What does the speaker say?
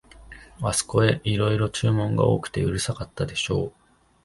あすこへ、いろいろ注文が多くてうるさかったでしょう、